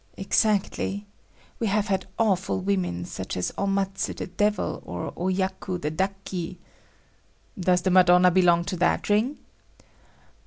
"Exactly. We have had awful women such as O Matsu the Devil or Ohyaku the Dakki. "Does the Madonna belong to that ring?"